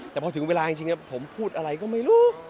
แต่พอถึงเวลาจริงผมพูดอะไรก็ไม่รู้